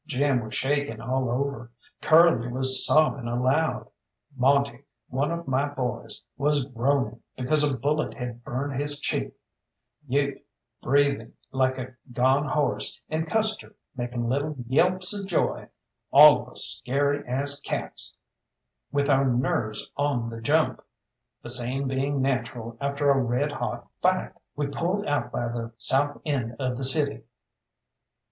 Jim was shaking all over, Curly was sobbing aloud, Monte, one of my boys, was groaning because a bullet had burned his cheek, Ute breathing like a gone horse, and Custer making little yelps of joy all of us scary as cats with our nerves on the jump, the same being natural after a red hot fight. We pulled out by the south end of the city.